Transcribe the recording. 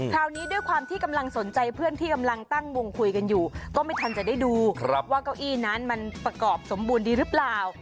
คราวนี้ด้วยความที่กำลังสนใจเพื่อนที่กำลังตั้งวงคุยกันอยู่ก็ไม่ทันจะได้ดูว่าเก้าอี้นั้นมันประกอบสมบูรณ์ดีหรือเปล่า